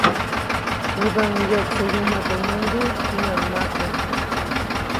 Judä wyäʼksäyumäʼ teʼ nyudiʼ, jiŋäʼuŋ maku.